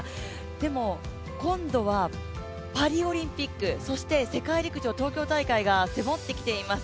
でも今度はパリオリンピック、そして世界陸上東京大会が迫ってきています。